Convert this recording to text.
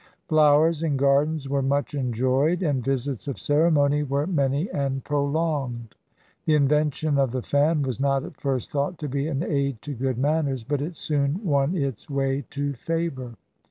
Flowers and gardens were much enjoyed, and visits of ceremony were many and prolonged. The invention of the fan was not at first thought to be an aid to good manners, but it soon won its way to favor.